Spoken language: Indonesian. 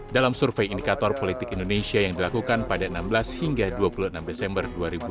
dalam survei indikator politik indonesia yang dilakukan pada enam belas hingga dua puluh enam desember dua ribu dua puluh